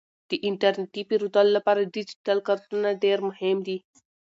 د انټرنیټي پیرودلو لپاره ډیجیټل کارتونه ډیر مهم دي.